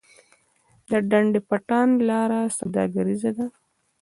د ډنډ پټان لاره سوداګریزه ده